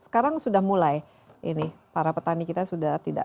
masih hampir setinggi empat puluh tahun ya